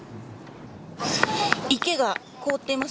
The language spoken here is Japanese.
池が凍っています。